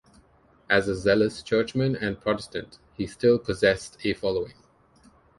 As a zealous churchman and Protestant he still possessed a following.